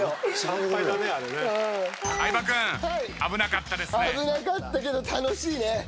危なかったけど楽しいね。